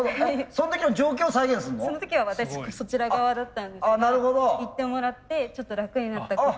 その時は私そちら側だったんですけど言ってもらってちょっと楽になった言葉を。